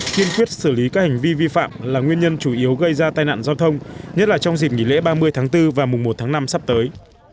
kiên quyết xử lý các hành vi vi phạm là nguyên nhân chủ yếu gây ra tai nạn giao thông nhất là trong dịp nghỉ lễ ba mươi tháng bốn và mùng một tháng năm sắp tới